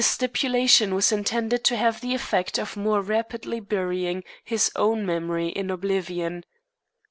The stipulation was intended to have the effect of more rapidly burying his own memory in oblivion.